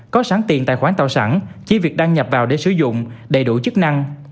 có sáng tiền tài khoản tạo sẵn chi việc đăng nhập vào để sử dụng đầy đủ chức năng